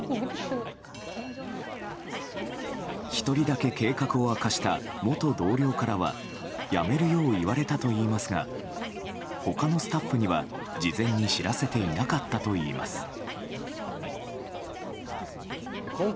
１人だけ計画を明かした元同僚からはやめるよう言われたといいますが他のスタッフには事前に知らせていなかったといいます。